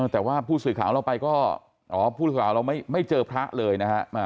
แต่ว่าผู้สื่อข่าวเราไปก็อ๋อผู้สื่อข่าวเราไม่เจอพระเลยนะฮะ